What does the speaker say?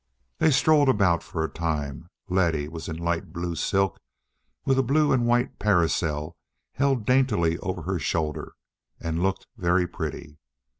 They strolled about for a time. Letty was in light blue silk, with a blue and white parasol held daintily over her shoulder, and looked very pretty.